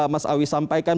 mas awi sampaikan